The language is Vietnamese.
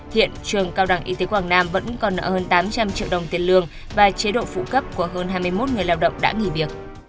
hiện trường cao đẳng y tế quảng nam vẫn còn nợ hơn tám trăm linh triệu đồng tiền lương và chế độ phụ cấp của hơn hai mươi một người lao động đã nghỉ việc